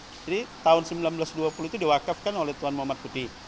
jadi tahun seribu sembilan ratus dua puluh itu di wakafkan oleh tuan muhammad budi